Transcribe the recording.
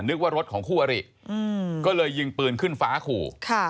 นึกว่ารถของคู่อริก็เลยยิงปืนขึ้นฟ้าขู่